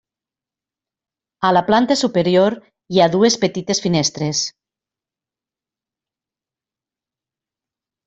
A la planta superior hi ha dues petites finestres.